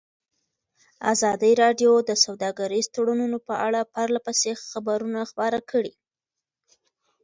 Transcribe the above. ازادي راډیو د سوداګریز تړونونه په اړه پرله پسې خبرونه خپاره کړي.